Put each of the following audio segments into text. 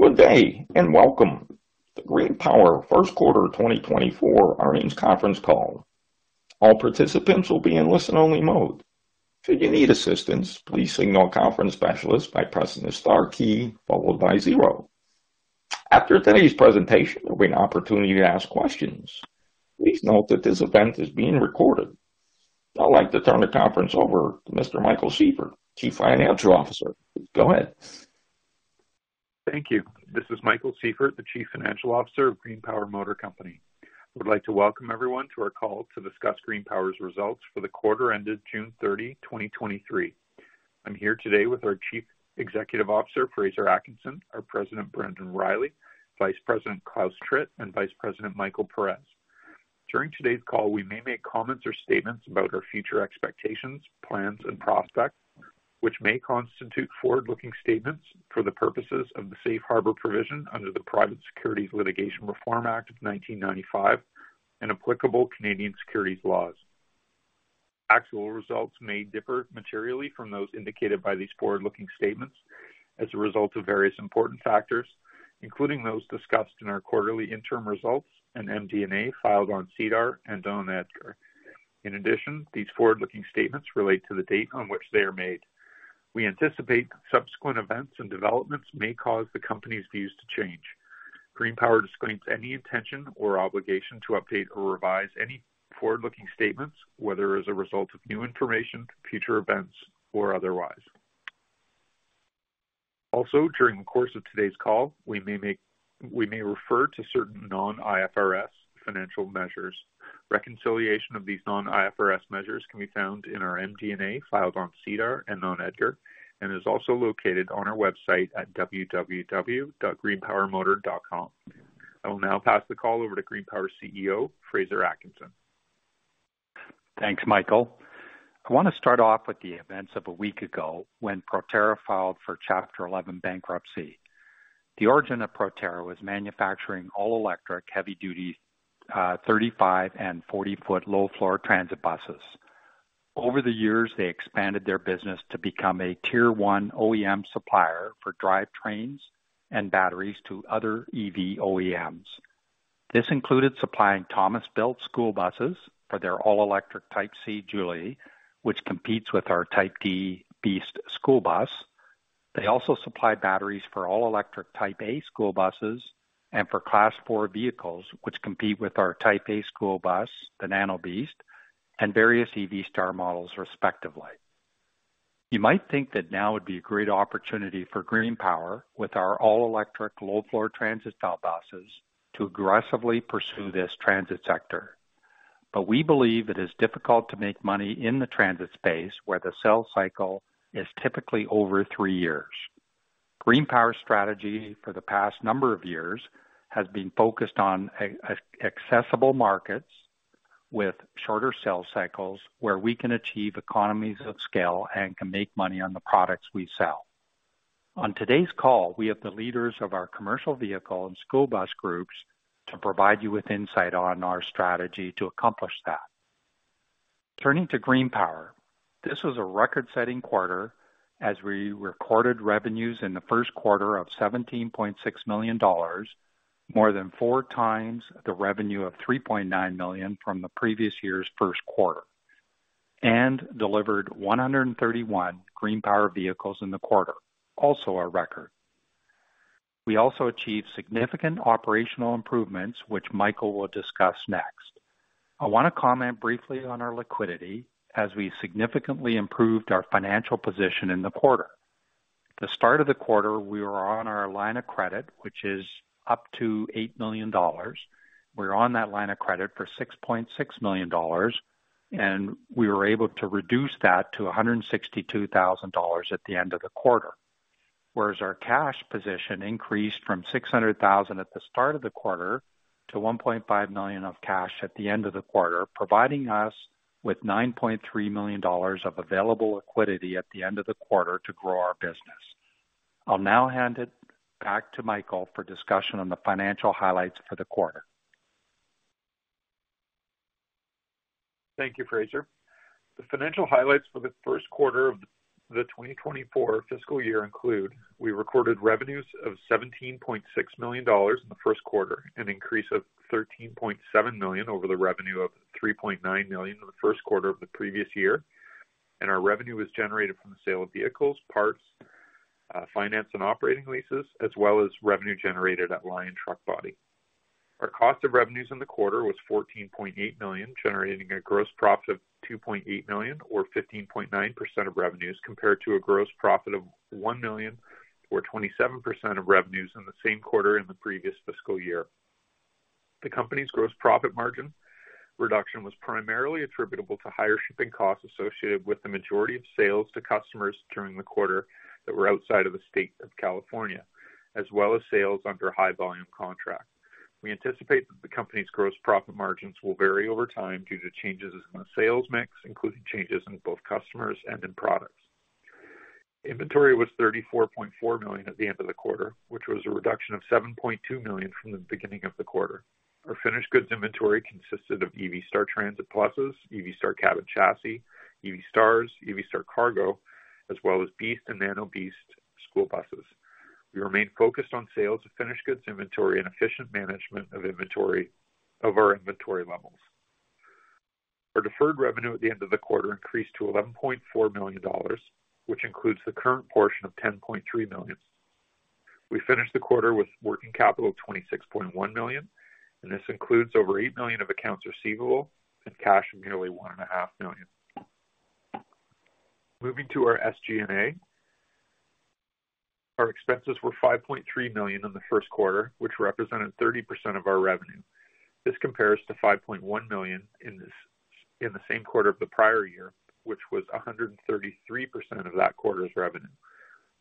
Good day, and welcome to the GreenPower first quarter of 2024 earnings conference call. All participants will be in listen-only mode. Should you need assistance, please signal a conference specialist by pressing the star key followed by zero. After today's presentation, there will be an opportunity to ask questions. Please note that this event is being recorded. I'd like to turn the conference over to Mr. Michael Sieffert, Chief Financial Officer. Go ahead. Thank you. This is Michael Sieffert, the Chief Financial Officer of GreenPower Motor Company. I would like to welcome everyone to our call to discuss GreenPower's results for the quarter ended June 30, 2023. I'm here today with our Chief Executive Officer, Fraser Atkinson, our President, Brendan Riley, Vice President, Claus Tritt, and Vice President, Michael Perez. During today's call, we may make comments or statements about our future expectations, plans, and prospects, which may constitute forward-looking statements for the purposes of the Safe Harbor Provision under the Private Securities Litigation Reform Act of 1995 and applicable Canadian securities laws. Actual results may differ materially from those indicated by these forward-looking statements as a result of various important factors, including those discussed in our quarterly interim results and MD&A filed on SEDAR and on EDGAR. In addition, these forward-looking statements relate to the date on which they are made. We anticipate subsequent events and developments may cause the company's views to change. GreenPower disclaims any intention or obligation to update or revise any forward-looking statements, whether as a result of new information, future events, or otherwise. During the course of today's call, we may refer to certain non-IFRS financial measures. Reconciliation of these non-IFRS measures can be found in our MD&A, filed on SEDAR and on EDGAR, and is also located on our website at www.greenpowermotor.com. I will now pass the call over to GreenPower CEO, Fraser Atkinson. Thanks, Michael. I want to start off with the events of a week ago when Proterra filed for Chapter 11 bankruptcy. The origin of Proterra was manufacturing all-electric, heavy-duty, 35 and 40-foot low-floor transit buses. Over the years, they expanded their business to become a tier-one OEM supplier for drivetrains and batteries to other EV OEMs. This included supplying Thomas Built school buses for their all-electric Type C Jouley, which competes with our Type D BEAST school bus. They also supply batteries for all-electric Type A school buses and for Class IV vehicles, which compete with our Type A school bus, the Nano BEAST, and various EV Star models, respectively. You might think that now would be a great opportunity for GreenPower with our all-electric low-floor transit style buses to aggressively pursue this transit sector. We believe it is difficult to make money in the transit space, where the sales cycle is typically over three years. GreenPower's strategy for the past number of years has been focused on accessible markets with shorter sales cycles, where we can achieve economies of scale and can make money on the products we sell. On today's call, we have the leaders of our commercial vehicle and school bus groups to provide you with insight on our strategy to accomplish that. Turning to GreenPower, this was a record-setting quarter as we recorded revenues in the first quarter of $17.6 million, more than four times the revenue of $3.9 million from the previous year's first quarter, and delivered 131 GreenPower vehicles in the quarter, also a record. We also achieved significant operational improvements, which Michael will discuss next. I want to comment briefly on our liquidity as we significantly improved our financial position in the quarter. The start of the quarter, we were on our line of credit, which is up to $8 million. We're on that line of credit for $6.6 million, and we were able to reduce that to $162,000 at the end of the quarter. Our cash position increased from $600,000 at the start of the quarter to $1.5 million of cash at the end of the quarter, providing us with $9.3 million of available liquidity at the end of the quarter to grow our business. I'll now hand it back to Michael Sieffert for discussion on the financial highlights for the quarter. Thank you, Fraser. The financial highlights for the first quarter of the 2024 fiscal year include. We recorded revenues of $17.6 million in the first quarter, an increase of $13.7 million over the revenue of $3.9 million in the first quarter of the previous year. Our revenue was generated from the sale of vehicles, parts, finance and operating leases, as well as revenue generated at Lion Truck Body. Our cost of revenues in the quarter was $14.8 million, generating a gross profit of $2.8 million, or 15.9% of revenues, compared to a gross profit of $1 million, or 27% of revenues in the same quarter in the previous fiscal year. The company's gross profit margin reduction was primarily attributable to higher shipping costs associated with the majority of sales to customers during the quarter that were outside of the state of California, as well as sales under a high-volume contract. We anticipate that the company's gross profit margins will vary over time due to changes in the sales mix, including changes in both customers and in products. Inventory was $34.4 million at the end of the quarter, which was a reduction of $7.2 million from the beginning of the quarter. Our finished goods inventory consisted of EV Star transit buses, EV Star Cab and Chassis, EV Stars, EV Star Cargo, as well as BEAST and Nano BEAST school buses. We remain focused on sales of finished goods inventory and efficient management of inventory, of our inventory levels. Our deferred revenue at the end of the quarter increased to $11.4 million, which includes the current portion of $10.3 million. We finished the quarter with working capital of $26.1 million. This includes over $8 million of accounts receivable and cash of nearly $1.5 million. Moving to our SG&A. Our expenses were $5.3 million in the first quarter, which represented 30% of our revenue. This compares to $5.1 million in the same quarter of the prior year, which was 133% of that quarter's revenue.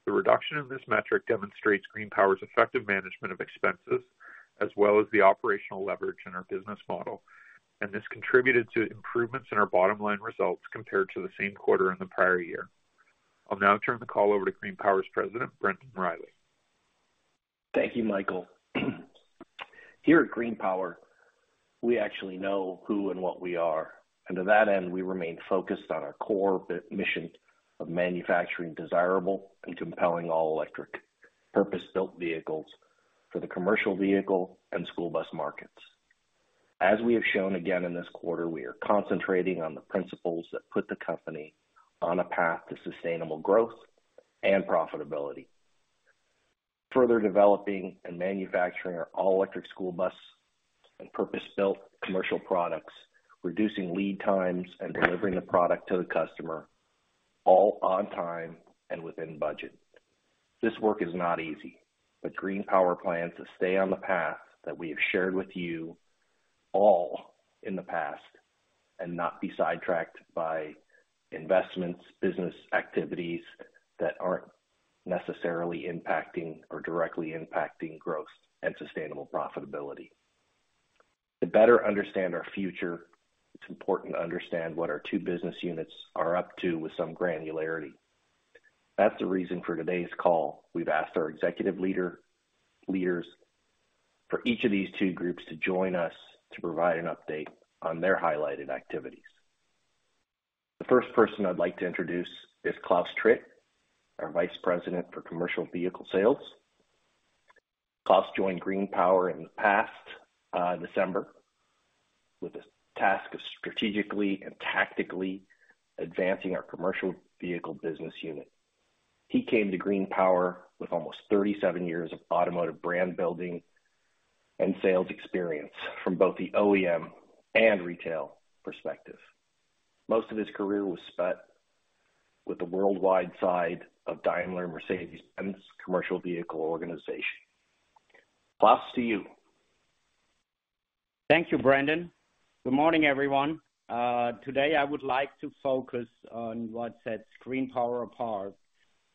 The reduction in this metric demonstrates GreenPower's effective management of expenses, as well as the operational leverage in our business model. This contributed to improvements in our bottom-line results compared to the same quarter in the prior year. I'll now turn the call over to GreenPower's President, Brendan Riley. Thank you, Michael. Here at GreenPower, we actually know who and what we are. To that end, we remain focused on our core mission of manufacturing desirable and compelling all-electric, purpose-built vehicles for the commercial vehicle and school bus markets. As we have shown again in this quarter, we are concentrating on the principles that put the company on a path to sustainable growth and profitability. Further developing and manufacturing our all-electric school bus and purpose-built commercial products, reducing lead times, and delivering the product to the customer, all on time and within budget. This work is not easy. GreenPower plans to stay on the path that we have shared with you all in the past and not be sidetracked by investments, business activities that aren't necessarily impacting or directly impacting growth and sustainable profitability. To better understand our future, it's important to understand what our two business units are up to with some granularity. That's the reason for today's call. We've asked our executive leaders for each of these two groups to join us to provide an update on their highlighted activities. The first person I'd like to introduce is Claus Tritt, our Vice President for Commercial Vehicle Sales. Claus joined GreenPower in the past, December, with the task of strategically and tactically advancing our commercial vehicle business unit. He came to GreenPower with almost 37 years of automotive brand building and sales experience from both the OEM and retail perspective. Most of his career was spent with the worldwide side of Daimler and Mercedes-Benz commercial vehicle organization. Claus, to you. Thank you, Brendan. Good morning, everyone. Today, I would like to focus on what sets GreenPower apart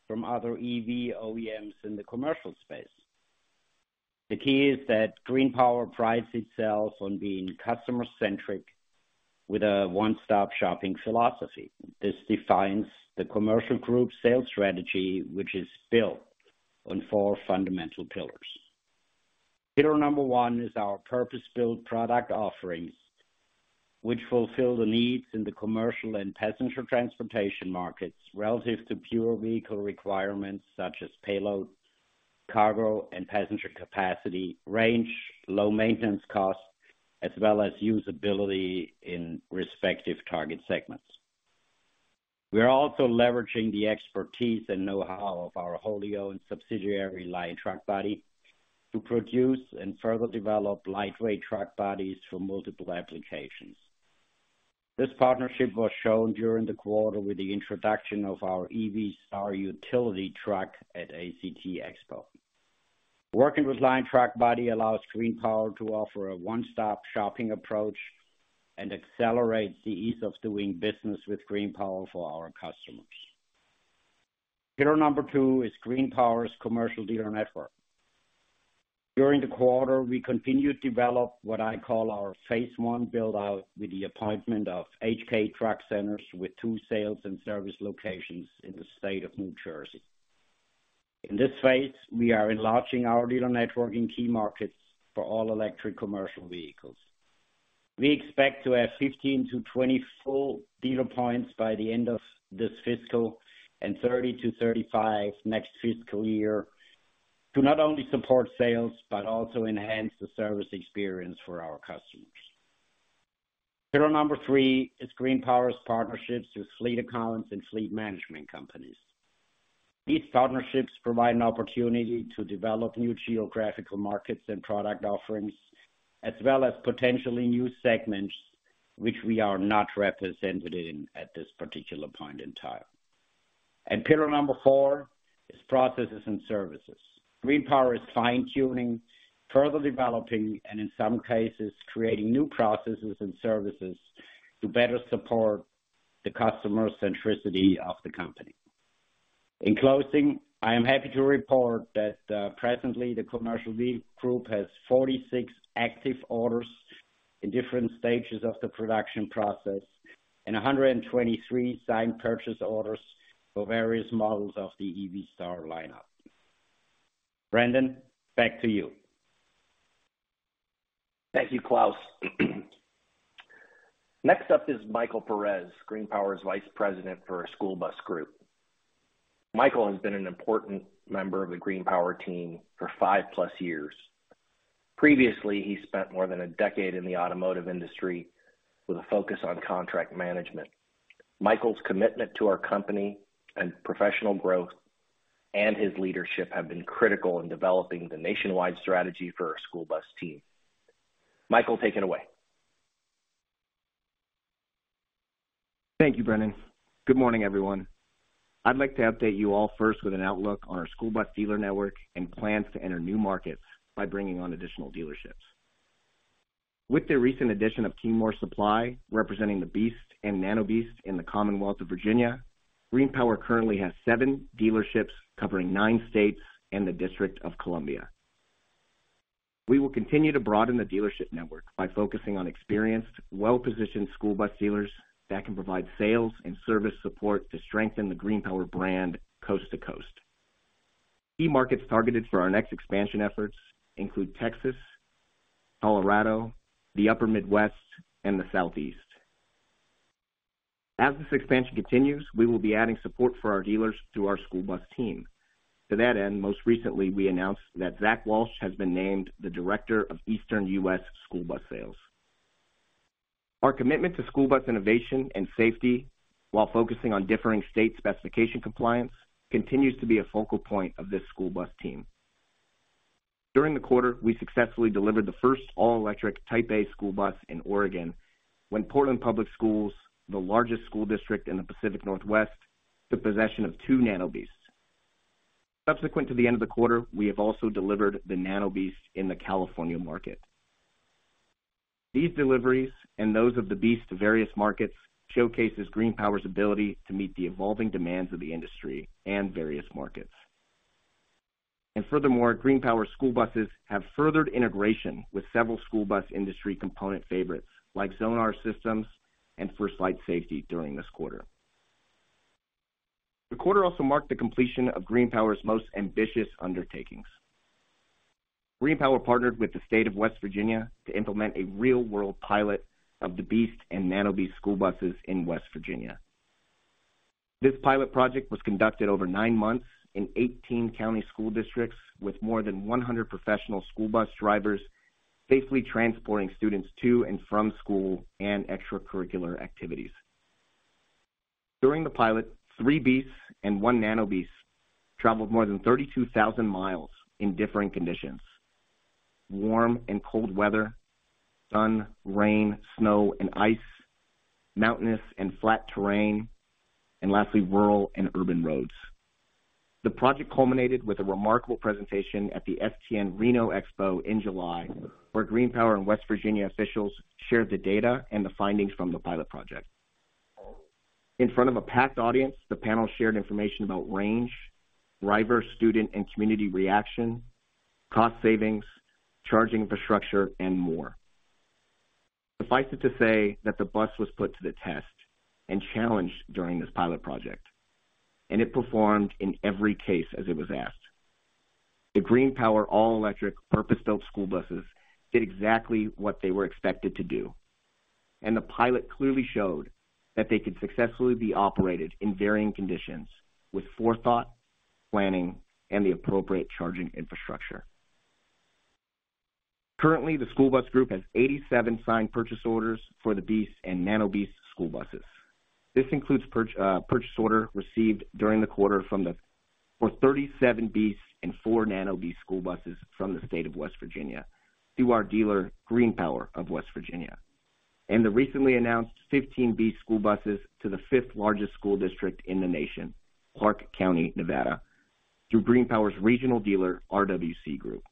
from other EV OEMs in the commercial space. The key is that GreenPower prides itself on being customer-centric with a one-stop shopping philosophy. This defines the commercial group sales strategy, which is built on four fundamental pillars. Pillar number one is our purpose-built product offerings, which fulfill the needs in the commercial and passenger transportation markets relative to pure vehicle requirements such as payload, cargo, and passenger capacity, range, low maintenance costs, as well as usability in respective target segments. We are also leveraging the expertise and know-how of our wholly-owned subsidiary, Lion Truck Body, to produce and further develop lightweight truck bodies for multiple applications. This partnership was shown during the quarter with the introduction of our EV Star Utility Truck at ACT Expo. Working with Lion Truck Body allows GreenPower to offer a one-stop shopping approach and accelerates the ease of doing business with GreenPower for our customers. Pillar number two is GreenPower's commercial dealer network. During the quarter, we continued to develop what I call our phase I build-out, with the appointment of H.K. Truck Center with two sales and service locations in the state of New Jersey. In this phase, we are enlarging our dealer network in key markets for all electric commercial vehicles. We expect to have 15-20 full dealer points by the end of this fiscal and 30-35 next fiscal year, to not only support sales, but also enhance the service experience for our customers. Pillar number three is GreenPower's partnerships with fleet accounts and fleet management companies. These partnerships provide an opportunity to develop new geographical markets and product offerings, as well as potentially new segments which we are not represented in at this particular point in time. Pillar number four is processes and services. GreenPower is fine-tuning, further developing, and in some cases, creating new processes and services to better support the customer centricity of the company. In closing, I am happy to report that presently, the commercial vehicle group has 46 active orders in different stages of the production process and 123 signed purchase orders for various models of the EV Star lineup. Brendan, back to you. Thank you, Claus. Next up is Michael Perez, GreenPower's Vice President for our school bus group. Michael has been an important member of the GreenPower team for 5+ years. Previously, he spent more than a decade in the automotive industry with a focus on contract management. Michael's commitment to our company and professional growth, and his leadership have been critical in developing the nationwide strategy for our school bus team. Michael, take it away. Thank you, Brendan. Good morning, everyone. I'd like to update you all first with an outlook on our school bus dealer network and plans to enter new markets by bringing on additional dealerships. With the recent addition of Kingmor Supply, representing the BEAST and Nano BEAST in the Commonwealth of Virginia, GreenPower currently has seven dealerships covering nine states and the D.C. We will continue to broaden the dealership network by focusing on experienced, well-positioned school bus dealers that can provide sales and service support to strengthen the GreenPower brand coast to coast. Key markets targeted for our next expansion efforts include Texas, Colorado, the upper Midwest, and the Southeast. As this expansion continues, we will be adding support for our dealers through our school bus team. To that end, most recently, we announced that Zach Walsh has been named the Director of Eastern U.S. School Bus Sales. Our commitment to school bus innovation and safety, while focusing on differing state specification compliance, continues to be a focal point of this school bus team. During the quarter, we successfully delivered the first all-electric Type A school bus in Oregon, when Portland Public Schools, the largest school district in the Pacific Northwest, took possession of two Nano BEASTs. Subsequent to the end of the quarter, we have also delivered the Nano BEAST in the California market. These deliveries, and those of the BEAST to various markets, showcases GreenPower's ability to meet the evolving demands of the industry and various markets. Furthermore, GreenPower school buses have furthered integration with several school bus industry component favorites like Zonar Systems and First Light Safety during this quarter. The quarter also marked the completion of GreenPower's most ambitious undertakings. GreenPower partnered with the state of West Virginia to implement a real-world pilot of the BEAST and Nano BEAST school buses in West Virginia. This pilot project was conducted over nine months in 18 county school districts, with more than 100 professional school bus drivers safely transporting students to and from school and extracurricular activities. During the pilot, three BEASTs and one Nano BEAST traveled more than 32,000 miles in differing conditions, warm and cold weather, sun, rain, snow and ice, mountainous and flat terrain, and lastly, rural and urban roads. The project culminated with a remarkable presentation at the STN EXPO Reno in July, where GreenPower and West Virginia officials shared the data and the findings from the pilot project. In front of a packed audience, the panel shared information about range, driver, student, and community reaction, cost savings, charging infrastructure, and more. Suffice it to say that the bus was put to the test and challenged during this pilot project, and it performed in every case as it was asked. The GreenPower all-electric purpose-built school buses did exactly what they were expected to do, and the pilot clearly showed that they could successfully be operated in varying conditions with forethought, planning, and the appropriate charging infrastructure. Currently, the school bus group has 87 signed purchase orders for the BEAST and Nano BEAST school buses. This includes purchase order received during the quarter from the, for 37 BEASTs and four Nano BEAST school buses from the state of West Virginia through our dealer, GreenPower of West Virginia, and the recently announced 15 BEAST school buses to the fifth largest school district in the nation, Clark County, Nevada, through GreenPower's regional dealer, RWC Group.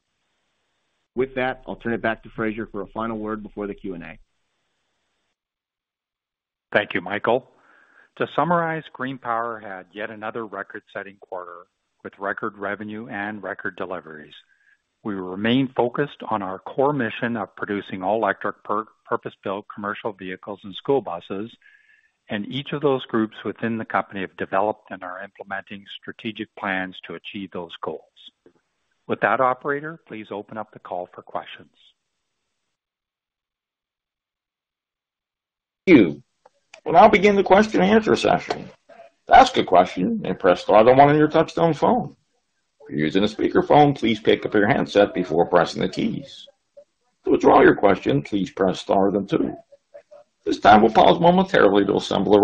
With that, I'll turn it back to Fraser for a final word before the Q&A. Thank you, Michael. To summarize, GreenPower had yet another record-setting quarter with record revenue and record deliveries. We will remain focused on our core mission of producing all-electric purpose-built commercial vehicles and school buses. Each of those groups within the company have developed and are implementing strategic plans to achieve those goals. With that, operator, please open up the call for questions. Thank you. We'll now begin the question and answer session. To ask a question, press star then one on your touchtone phone. If you're using a speakerphone, please pick up your handset before pressing the keys. To withdraw your question, please press star then two. This time we'll pause momentarily to assemble a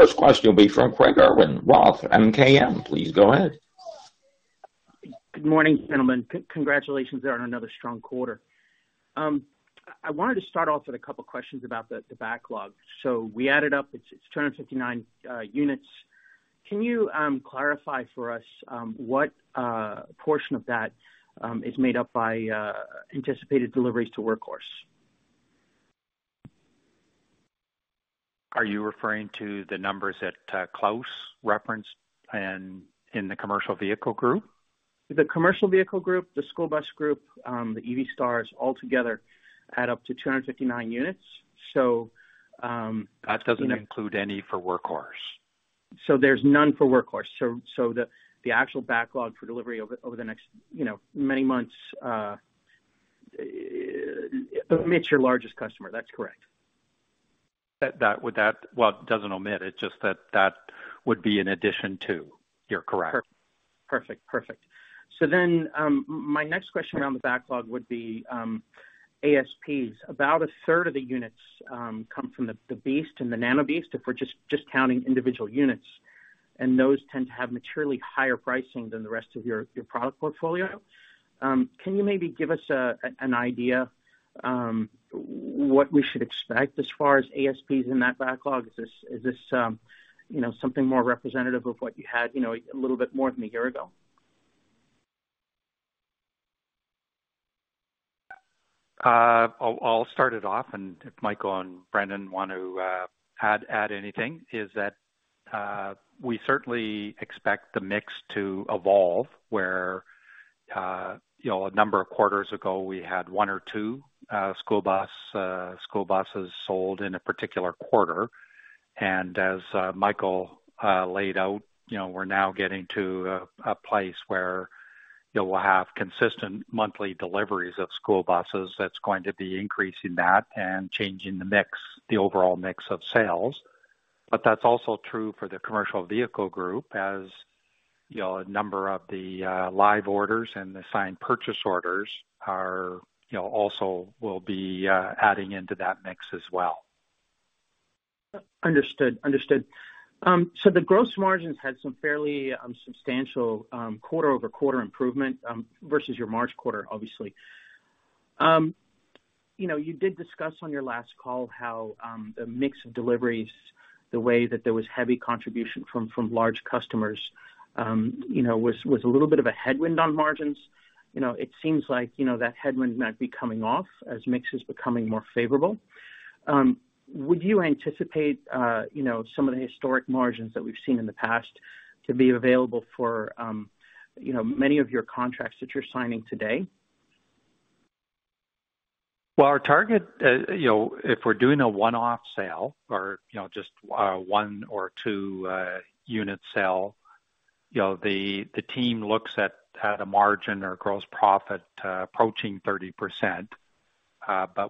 roster. First question will be from Craig Irwin, Roth MKM. Please go ahead. Good morning, gentlemen. Congratulations on another strong quarter. I wanted to start off with a couple of questions about the, the backlog. We added up, it's 259 units. Can you clarify for us what portion of that is made up by anticipated deliveries to Workhorse? Are you referring to the numbers that Claus referenced and in the commercial vehicle group? The commercial vehicle group, the school bus group, the EV Stars altogether add up to 259 units. That doesn't include any for Workhorse.... So there's none for Workhorse. The actual backlog for delivery over, over the next, you know, many months, omits your largest customer, that's correct? That. Well, it doesn't omit, it's just that, that would be in addition to. You're correct. Perfect. Perfect. Then my next question on the backlog would be ASPs. About a third of the units come from the Beast and the Nano BEAST, if we're just counting individual units, and those tend to have materially higher pricing than the rest of your product portfolio. Can you maybe give us an idea what we should expect as far as ASPs in that backlog? Is this, you know, something more representative of what you had, you know, a little bit more than a year ago? I'll, I'll start it off, and if Michael and Brendan want to add anything, is that we certainly expect the mix to evolve, where, you know, a number of quarters ago, we had one or two school bus school buses sold in a particular quarter. As Michael laid out, you know, we're now getting to a place where you will have consistent monthly deliveries of school buses that's going to be increasing that and changing the mix, the overall mix of sales. That's also true for the commercial vehicle group, as, you know, a number of the live orders and the signed purchase orders are, you know, also will be adding into that mix as well. Understood. Understood. The gross margins had some fairly substantial quarter-over-quarter improvement versus your March quarter, obviously. You know, you did discuss on your last call how the mix of deliveries, the way that there was heavy contribution from, from large customers, you know, was a little bit of a headwind on margins. You know, it seems like, you know, that headwind might be coming off as mix is becoming more favorable. Would you anticipate, you know, some of the historic margins that we've seen in the past to be available for, you know, many of your contracts that you're signing today? Our target, you know, if we're doing a one-off sale or, you know, just, one or two unit sale, you know, the team looks at, at a margin or gross profit, approaching 30%.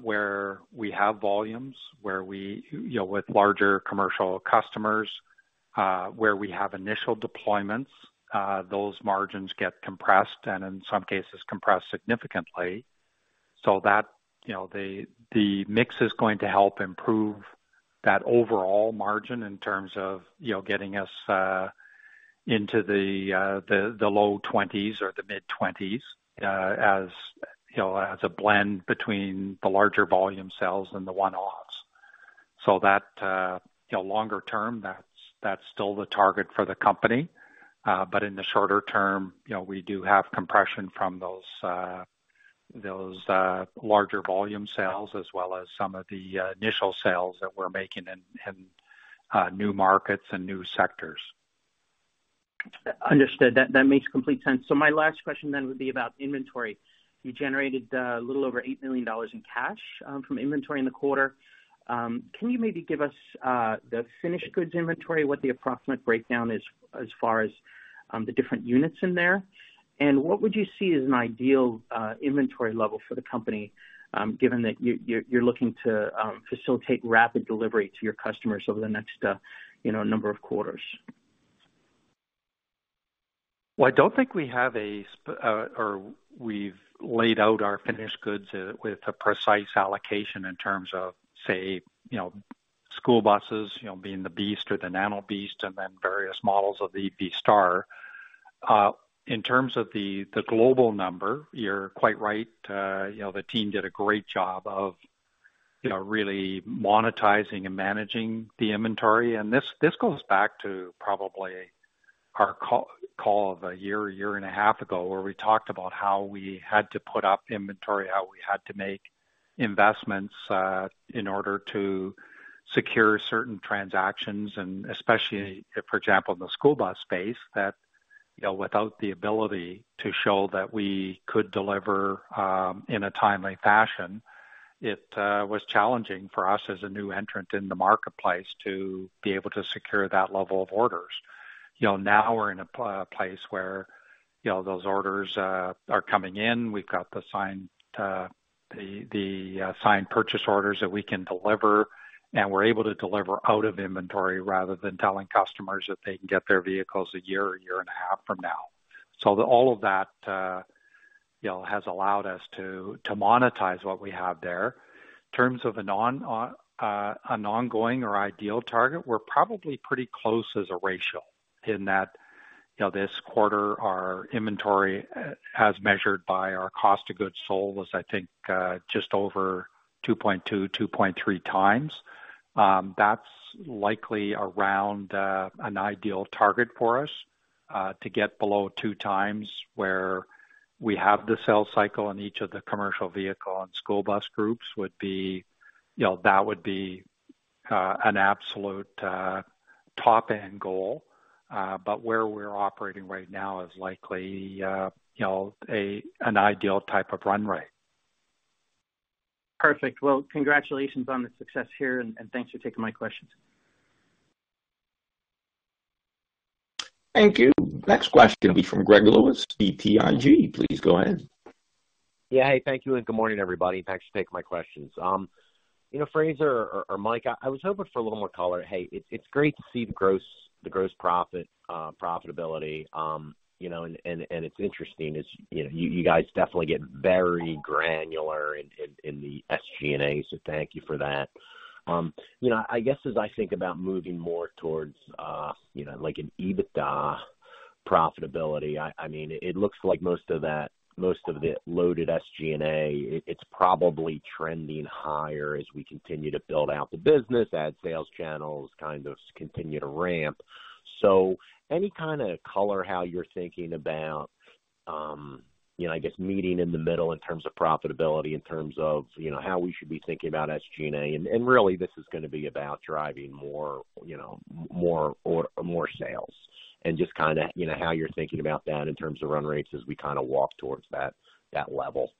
Where we have volumes, where we, you know, with larger commercial customers, where we have initial deployments, those margins get compressed, and in some cases compressed significantly. You know, the mix is going to help improve that overall margin in terms of, you know, getting us into the low 20s or the mid-20s, as, you know, as a blend between the larger volume sales and the 1-offs. You know, longer term, that's, that's still the target for the company. In the shorter term, you know, we do have compression from those, those, larger volume sales, as well as some of the initial sales that we're making in, in, new markets and new sectors. Understood. That, that makes complete sense. My last question then would be about inventory. You generated a little over $8 million in cash from inventory in the quarter. Can you maybe give us the finished goods inventory, what the approximate breakdown is as far as the different units in there? What would you see as an ideal inventory level for the company, given that you're looking to facilitate rapid delivery to your customers over the next, you know, number of quarters? Well, I don't think we have a or we've laid out our finished goods with a precise allocation in terms of, say, you know, school buses, you know, being the BEAST or the Nano BEAST, and then various models of the EV Star. In terms of the, the global number, you're quite right. You know, the team did a great job of, you know, really monetizing and managing the inventory. This, this goes back to probably our call of one year, 1.5 years ago, where we talked about how we had to put up inventory, how we had to make investments in order to secure certain transactions, and especially, for example, in the school bus space, that, you know, without the ability to show that we could deliver in a timely fashion, it was challenging for us as a new entrant in the marketplace to be able to secure that level of orders. You know, now we're in a place where, you know, those orders are coming in. We've got the signed purchase orders that we can deliver, and we're able to deliver out of inventory rather than telling customers that they can get their vehicles one year or 1.5 years from now. All of that, you know, has allowed us to, to monetize what we have there. In terms of an on, an ongoing or ideal target, we're probably pretty close as a ratio in that, you know, this quarter, our inventory, as measured by our cost of goods sold, was, I think, just over 2.2-2.3 times. That's likely around an ideal target for us to get below two times, where we have the sales cycle in each of the commercial vehicle and school bus groups would be, you know, that would be an absolute top-end goal. Where we're operating right now is likely, you know, an ideal type of run rate. Perfect. Well, congratulations on the success here, and thanks for taking my questions. Thank you. Next question will be from Greg Lewis, BTIG. Please go ahead. Yeah. Hey, thank you, good morning, everybody. Thanks for taking my questions. You know, Fraser or Mike, I was hoping for a little more color. Hey, it's great to see the gross, the gross profit profitability, you know, and it's interesting, as, you know, you guys definitely get very granular in the SG&A, so thank you for that. You know, I guess as I think about moving more towards, you know, like an EBITDA profitability, I mean, it looks like most of that, most of the loaded SG&A, it's probably trending higher as we continue to build out the business, add sales channels, kind of continue to ramp. Any kind of color how you're thinking about, you know, I guess, meeting in the middle in terms of profitability, in terms of, you know, how we should be thinking about SG&A? Really this is gonna be about driving more, you know, more or more sales and just kind of, you know, how you're thinking about that in terms of run rates as we kind of walk towards that, that level?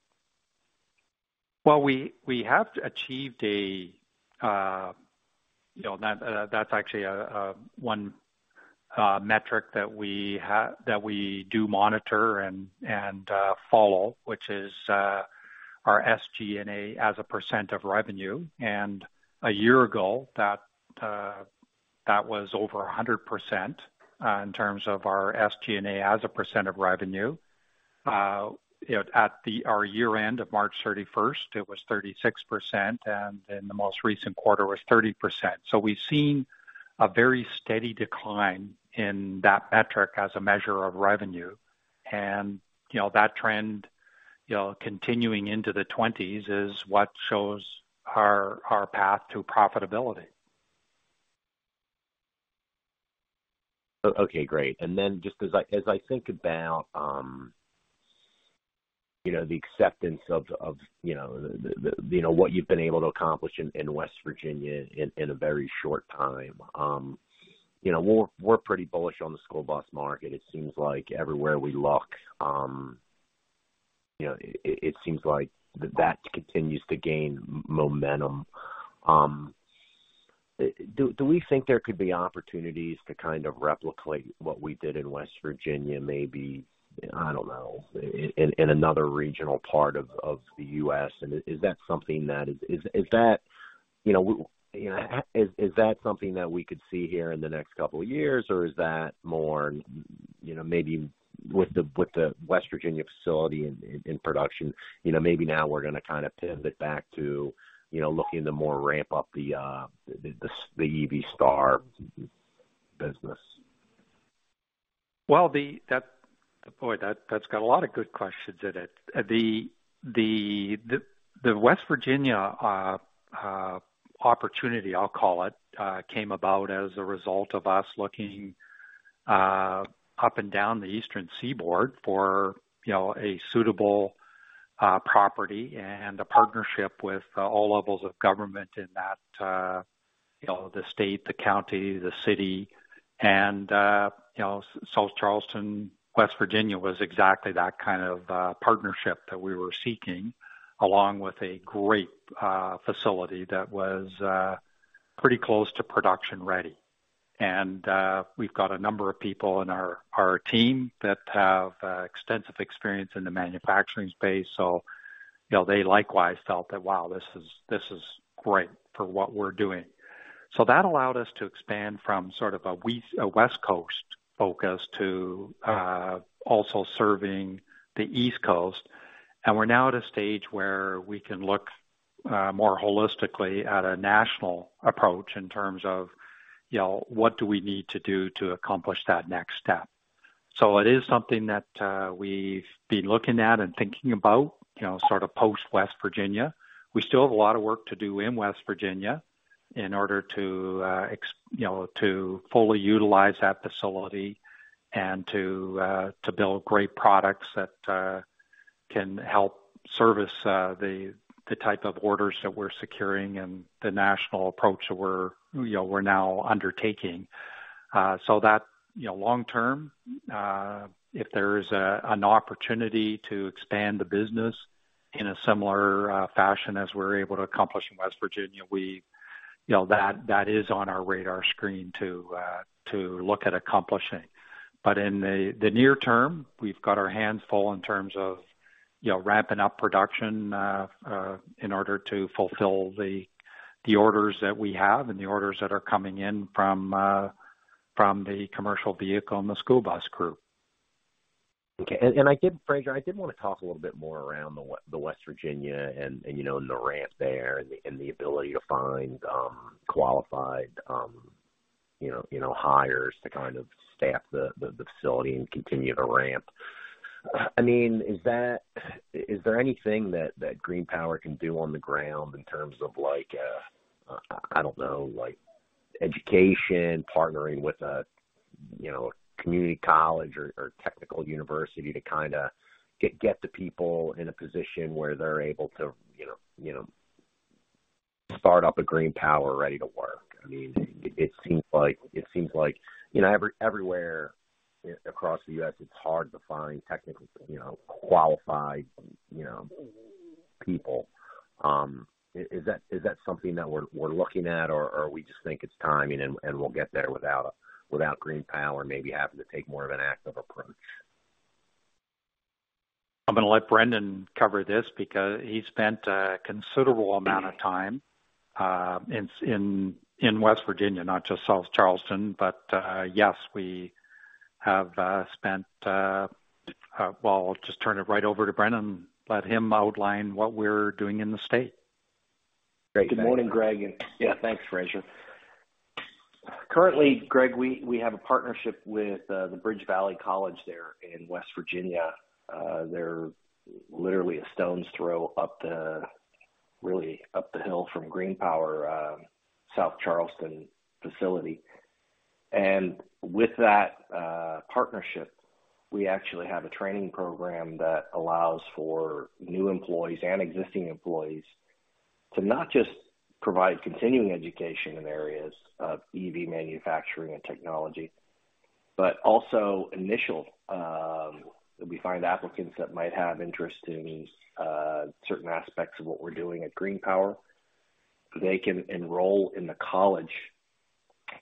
Well, we, we have achieved a, you know. That, that's actually one metric that we do monitor and, and follow, which is our SG&A as a % of revenue. A year ago, that, that was over 100% in terms of our SG&A as a % of revenue. You know, at the, our year end of March 31st, it was 36%, and then the most recent quarter was 30%. We've seen a very steady decline in that metric as a measure of revenue. You know, that trend, you know, continuing into the twenties is what shows our, our path to profitability. Okay, great. Then, just as I, as I think about, you know, the acceptance of, of, you know, the, the, you know, what you've been able to accomplish in West Virginia in a very short time. You know, we're, we're pretty bullish on the school bus market. It seems like everywhere we look, you know, it, it, it seems like that continues to gain momentum. Do, do we think there could be opportunities to kind of replicate what we did in West Virginia, maybe, I don't know, in, in, in another regional part of the U.S.? Is, is that, you know, you know, is, is that something that we could see here in the next couple of years? Is that more, you know, maybe with the, with the West Virginia facility in, in production, you know, maybe now we're gonna kind of pivot back to, you know, looking to more ramp up the, the, the, the EV Star business? Well, boy, that, that's got a lot of good questions in it. The West Virginia opportunity, I'll call it, came about as a result of us looking up and down the Eastern Seaboard for, you know, a suitable property and a partnership with all levels of government in that, you know, the state, the county, the city. You know, South Charleston, West Virginia, was exactly that kind of partnership that we were seeking, along with a great facility that was pretty close to production ready. We've got a number of people in our, our team that have extensive experience in the manufacturing space. You know, they likewise felt that, wow, this is, this is great for what we're doing. That allowed us to expand from sort of a West Coast focus to also serving the East Coast. We're now at a stage where we can look more holistically at a national approach in terms of, you know, what do we need to do to accomplish that next step? It is something that we've been looking at and thinking about, you know, sort of post West Virginia. We still have a lot of work to do in West Virginia in order to, you know, to fully utilize that facility and to build great products that can help service the, the type of orders that we're securing and the national approach that we're, you know, we're now undertaking. That, you know, long term, if there is a, an opportunity to expand the business in a similar fashion as we're able to accomplish in West Virginia, we, you know, that, that is on our radar screen to look at accomplishing. In the, the near term, we've got our hands full in terms of, you know, ramping up production in order to fulfill the orders that we have and the orders that are coming in from the commercial vehicle and the school bus group. Okay. I did, Fraser, I did want to talk a little bit more around the West Virginia and, and, you know, and the ramp there and the, and the ability to find qualified hires to kind of staff the facility and continue to ramp. I mean, is there anything that GreenPower can do on the ground in terms of like, I don't know, like education, partnering with a community college or technical university to kinda get the people in a position where they're able to start up a GreenPower ready to work? I mean, it seems like, it seems like, you know, everywhere across the U.S., it's hard to find technical, qualified people. Is, is that, is that something that we're, we're looking at, or, or we just think it's timing and, and we'll get there without, without GreenPower maybe having to take more of an active approach? I'm gonna let Brendan cover this because he spent a considerable amount of time in West Virginia, not just South Charleston. Yes, we have spent, well, I'll just turn it right over to Brendan and let him outline what we're doing in the state. Great. Good morning, Greg, and, yeah, thanks, Fraser. Currently, Greg, we, we have a partnership with the BridgeValley College there in West Virginia. They're literally a stone's throw up the, really, up the hill from GreenPower, South Charleston facility. With that partnership, we actually have a training program that allows for new employees and existing employees to not just provide continuing education in areas of EV manufacturing and technology, but also initial... If we find applicants that might have interest in certain aspects of what we're doing at GreenPower, they can enroll in the college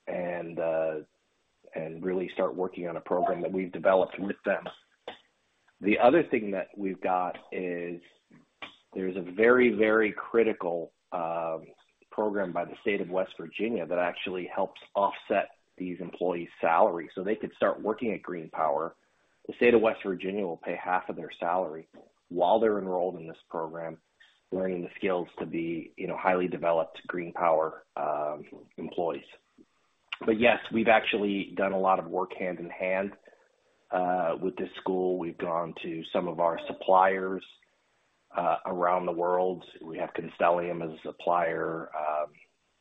and really start working on a program that we've developed with them. The other thing that we've got is there's a very, very critical program by the state of West Virginia that actually helps offset these employees' salaries. They could start working at GreenPower. The state of West Virginia will pay half of their salary while they're enrolled in this program, learning the skills to be, you know, highly developed GreenPower employees. Yes, we've actually done a lot of work hand-in-hand with this school. We've gone to some of our suppliers around the world. We have Constellium as a supplier,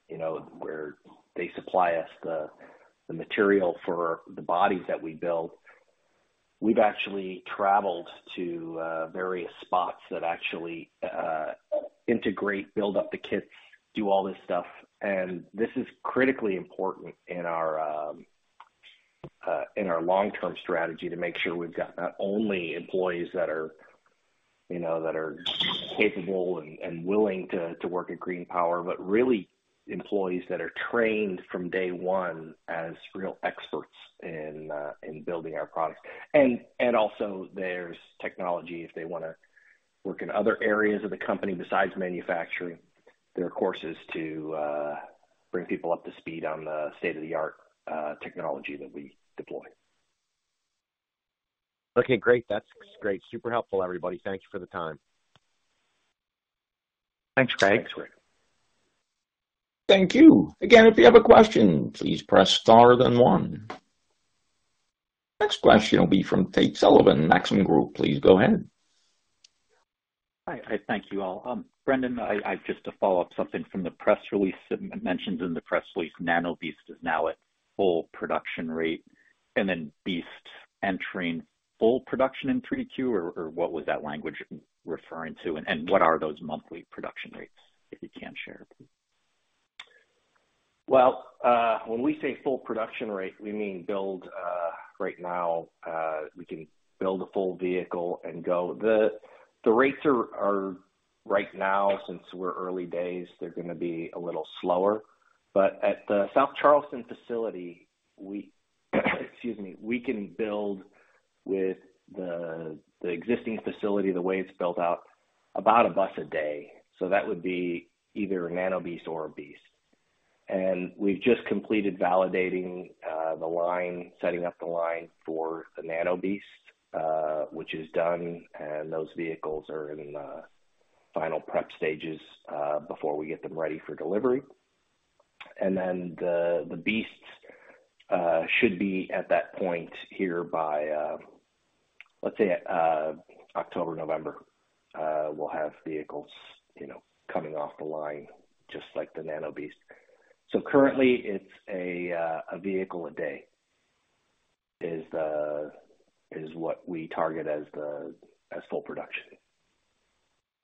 you know, where they supply us the, the material for the bodies that we build. We've actually traveled to various spots that actually integrate, build up the kits, do all this stuff. This is critically important in our in our long-term strategy to make sure we've got not only employees that are, you know, that are capable and, and willing to, to work at GreenPower, but really employees that are trained from day one as real experts in in building our products. Also there's technology if they wanna work in other areas of the company besides manufacturing. There are courses to bring people up to speed on the state-of-the-art technology that we deploy. Okay, great. That's great. Super helpful, everybody. Thank you for the time. Thanks, Greg. Thanks, Greg. Thank you. Again, if you have a question, please press star then one. Next question will be from Tate Sullivan, Maxim Group. Please go ahead. Hi. I thank you all. Brendan, just to follow up something from the press release, mentioned in the press release, Nano BEAST is now at full production rate, and then BEAST entering full production in 3Q, or what was that language referring to? What are those monthly production rates, if you can share? Well, when we say full production rate, we mean build, right now, we can build a full vehicle and go. The rates are right now, since we're early days, they're gonna be a little slower. At the South Charleston facility, we, excuse me, we can build with the existing facility, the way it's built out, about a bus a day. That would be either a Nano BEAST or a BEAST. We've just completed validating the line, setting up the line for the Nano BEAST, which is done, and those vehicles are in final prep stages before we get them ready for delivery. The BEAST should be at that point here by, let's say, October, November, we'll have vehicles, you know, coming off the line just like the Nano BEAST. Currently, it's a, a vehicle a day, is the, is what we target as the, as full production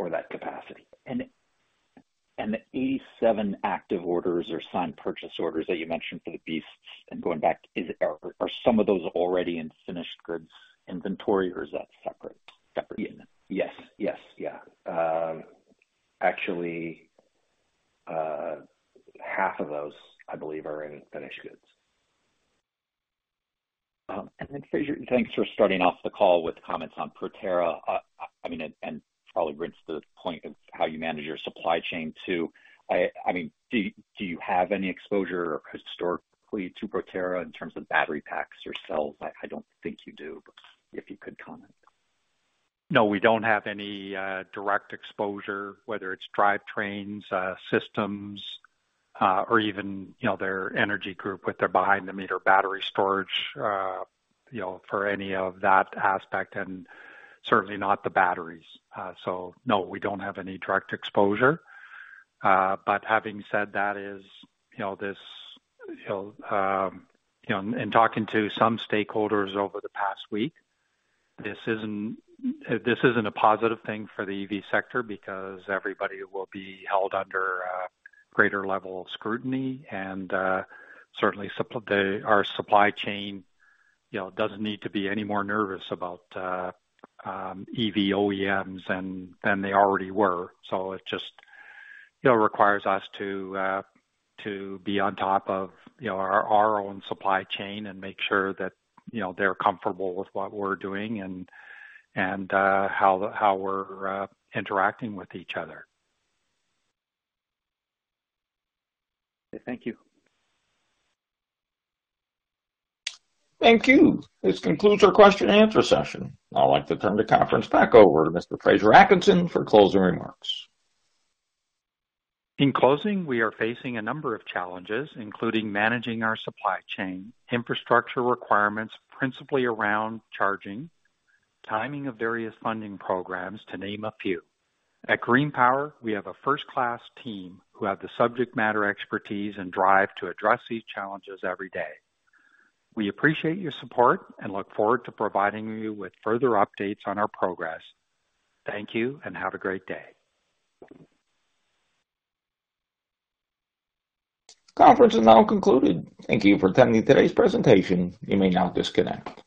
for that capacity. The 87 active orders or signed purchase orders that you mentioned for the Beast, and going back, is, are, are some of those already in finished goods inventory, or is that separate? Separate. Yes. Yes, yeah. Actually, half of those, I believe, are in finished goods. Fraser, thanks for starting off the call with comments on Proterra. Probably brings the point of how you manage your supply chain, too. Do you have any exposure historically to Proterra in terms of battery packs or cells? I don't think you do, but if you could comment. No, we don't have any direct exposure, whether it's drivetrains, systems, or even, you know, their energy group with their behind-the-meter battery storage, you know, for any of that aspect, and certainly not the batteries. No, we don't have any direct exposure. Having said that is, you know, this, you know, you know, in talking to some stakeholders over the past week, this isn't, this isn't a positive thing for the EV sector because everybody will be held under a greater level of scrutiny, and certainly our supply chain, you know, doesn't need to be any more nervous about EV OEMs than they already were. It just, you know, requires us to to be on top of, you know, our, our own supply chain and make sure that, you know, they're comfortable with what we're doing and, and, how, how we're interacting with each other. Thank you. Thank you. This concludes our question-and-answer session. I'd like to turn the conference back over to Mr. Fraser Atkinson for closing remarks. In closing, we are facing a number of challenges, including managing our supply chain, infrastructure requirements, principally around charging, timing of various funding programs, to name a few. At GreenPower, we have a first-class team who have the subject matter, expertise, and drive to address these challenges every day. We appreciate your support and look forward to providing you with further updates on our progress. Thank you and have a great day. Conference is now concluded. Thank you for attending today's presentation. You may now disconnect.